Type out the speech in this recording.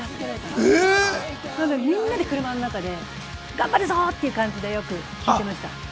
だからみんなで車の中で頑張るぞという感じで聴いてました。